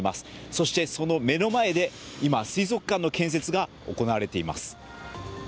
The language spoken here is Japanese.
そして、その目の前で今、水族館の建設が行われています。